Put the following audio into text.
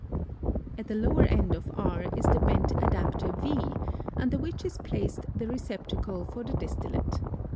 At the lower end of R is the bent adapter v under which is placed the receptacle for the distillate.